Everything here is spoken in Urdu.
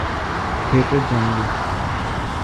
تھیٹر جائیں گے۔